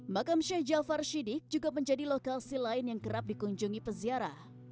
makam sheikh jafar syidik juga menjadi lokasi lain yang kerap dikunjungi peziarah